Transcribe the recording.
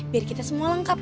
biar kita semua lengkap